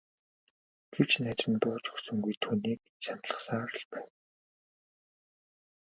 Гэвч найз нь бууж өгсөнгүй түүнийг шаналгасаар л байв.